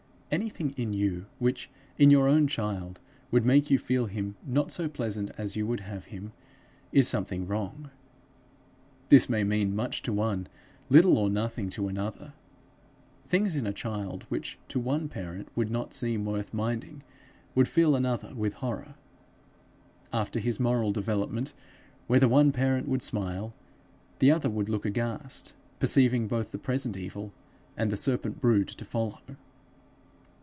Anything in you, which, in your own child, would make you feel him not so pleasant as you would have him, is something wrong. This may mean much to one, little or nothing to another. Things in a child which to one parent would not seem worth minding, would fill another with horror. After his moral development, where the one parent would smile, the other would look aghast, perceiving both the present evil, and the serpent brood to follow.